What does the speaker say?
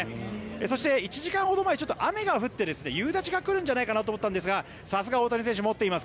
そして、１時間ほど前に雨が降って夕立が来るんじゃないかなと思ったんですがさすが大谷選手、持っています。